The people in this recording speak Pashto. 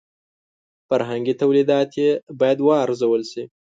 فرهنګي تولیدات یې باید وارزول شي.